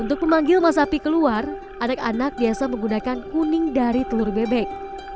untuk memanggil masapi keluar anak anak biasa menggunakan kuning dari telur bebek